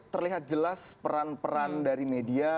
terlihat jelas peran peran dari media